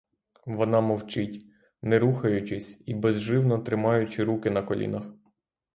Вона мовчить, не рухаючись і безживно тримаючи руки на колінах.